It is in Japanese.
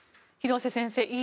廣瀬先生